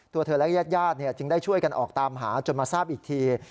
ตัวเธอและญาติจึงได้ช่วยกันออกตามหาจนมาทราบอีกที